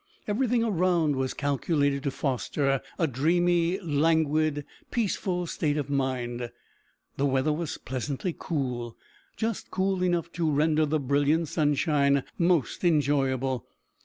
Everything around was calculated to foster a dreamy, languid, peaceful state of mind. The weather was pleasantly cool just cool enough to render the brilliant sunshine most enjoyable.